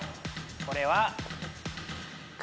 これは。